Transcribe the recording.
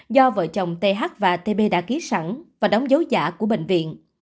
do vợ chồng thê hắc và thê bê đã ký sẵn và đóng dấu giả của bệnh viện